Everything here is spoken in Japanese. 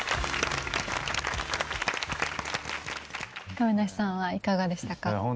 亀梨さんはいかがでしたか？